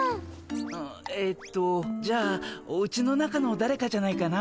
ああえっとじゃあおうちの中のだれかじゃないかな？